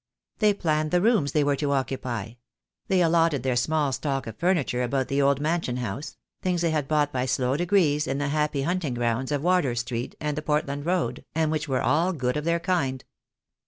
They planned the rooms they were to occupy; they allotted their small stock of furniture about the old mansion house — things they had bought by slow degrees in the happy hunting grounds of Wardour Street and the Portland Road, and which were all good of their kind.